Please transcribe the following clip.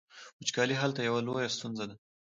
وچکالي هلته یوه لویه ستونزه ده.